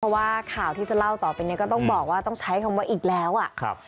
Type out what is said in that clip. เพราะว่าข่าวที่จะเล่าต่อไปนี้ก็ต้องบอกว่าต้องใช้คำว่าอีกแล้วอ่ะครับ